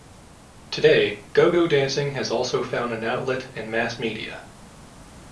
Today, go-go dancing has also found an outlet in mass media.